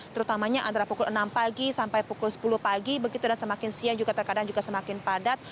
terutamanya antara pukul enam pagi sampai pukul sepuluh pagi begitu dan semakin siang juga terkadang juga semakin padat